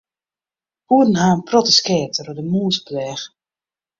Boeren ha in protte skea troch de mûzepleach.